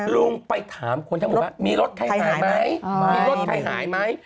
ลุงไปถามมีรถใครหายไหม